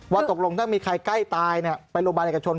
ตกลงถ้ามีใครใกล้ตายไปโรงพยาบาลเอกชน